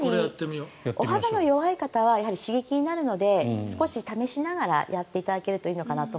お肌が弱い方は刺激になるので少し試しながらやっていただけるといいのかなと。